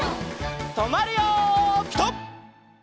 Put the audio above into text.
とまるよピタ！